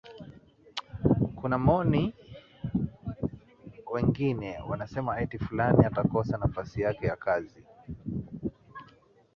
kuna maoni wengine wanasema eti fulani atakosa nafasi yake ya